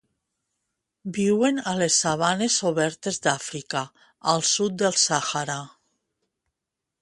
Viuen a les sabanes obertes d'Àfrica, al sud del Sàhara.